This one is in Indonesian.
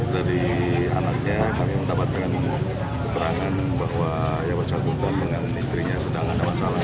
dari anaknya kami mendapatkan keterangan bahwa yang bersangkutan dengan istrinya sedang ada masalah